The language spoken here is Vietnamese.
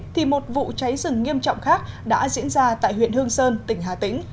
thì một vụ cháy rừng nghiêm trọng khác đã diễn ra tại huyện hương sơn tỉnh hà tĩnh